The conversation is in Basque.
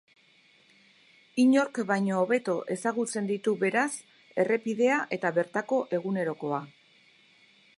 Inork baino hobeto ezagutzen ditu, beraz, errepidea eta bertako egunerokoa.